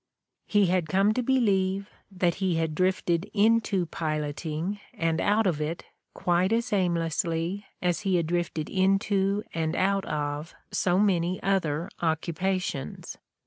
He had come to believe that he had drifted into piloting and out of it quite as aimlessly as he had drifted into and out of so many other occupations.